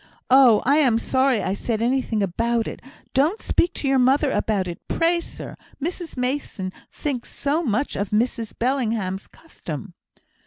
Oh! I am sorry I said anything about it. Don't speak to your mother about it, pray, sir. Mrs Mason thinks so much of Mrs Bellingham's custom."